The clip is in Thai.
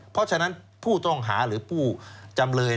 เพราะฉะนั้นผู้ต้องหาหรือผู้จำเลย